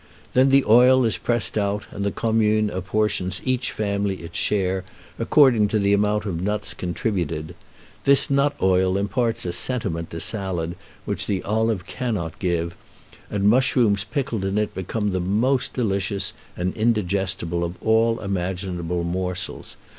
Then the oil is pressed out, and the commune apportions each family its share, according to the amount of nuts contributed. This nut oil imparts a sentiment to salad which the olive cannot give, and mushrooms pickled in it become the most delicious and indigestible of all imaginable morsels.